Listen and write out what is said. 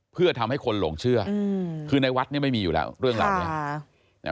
เพื่อทำให้คนหลงเชื่อคือในวัดเนี่ยไม่มีอยู่แล้วเรื่องราวนี้